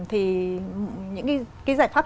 thì những cái giải pháp